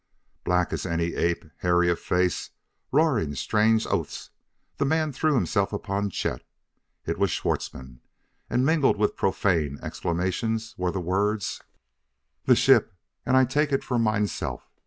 Black as any ape, hairy of face, roaring strange oaths, the man threw himself upon Chet! It was Schwartzmann; and, mingled with profane exclamations, were the words: "the ship und I take it for mineself!"